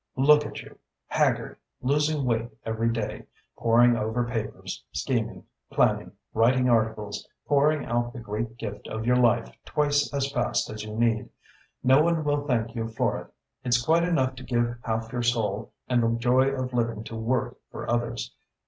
Look at you haggard, losing weight every day, poring over papers, scheming, planning, writing articles, pouring out the great gift of your life twice as fast as you need. No one will thank you for it. It's quite enough to give half your soul and the joy of living to work for others.